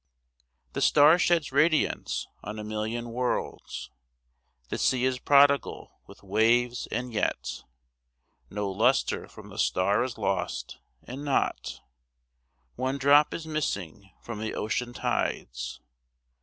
The star sheds radiance on a million worlds, The sea is prodigal with waves, and yet No lustre from the star is lost, and not One drop is missing from the ocean tides.